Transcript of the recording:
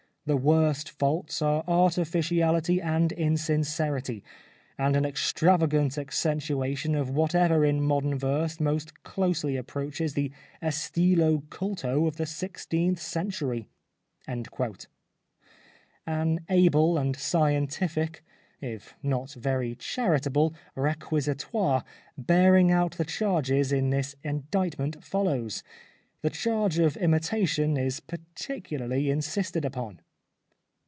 The worst faults are artificiality and insincerity, and an extravagant accentuation of whatever in modern verse most closely ap proaches the estilo culto of the sixteenth century." An able and scientific, if not very charitable, requisitoire bearing out the charges in this in dictment follows. The charge of imitation is particularly insisted upon.